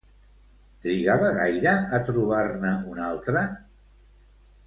Trigava gaire a trobar-ne un altre?